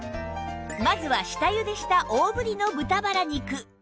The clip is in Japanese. まずは下ゆでした大ぶりの豚バラ肉